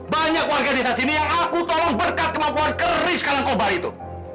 banyak warga di desa ini yang aku tolong berkat kemampuan keris kalangkobar itu